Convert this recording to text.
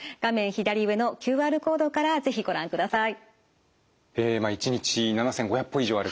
左上のＱＲコードから是非ご覧ください。